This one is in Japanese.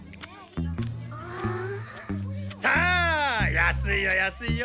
さあ安いよ安いよ！